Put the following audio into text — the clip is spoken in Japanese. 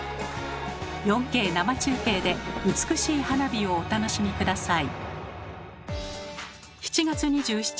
４Ｋ生中継で美しい花火をお楽しみ下さい。